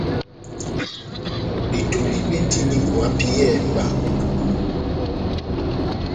Betoli bendini bo hapiyɛhɛ mba ó mʼpudungu.